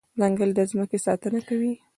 ځنګل د ځمکې ساتنه کوي.